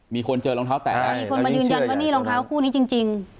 มีคนเจอรองเท้าแตกแล้วมีคนมายืนยันว่านี่รองเท้าคู่นี้จริง